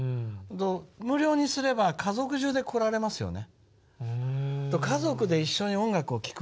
無料にすれば家族じゅうで来られますよね。